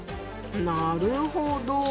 なるほど。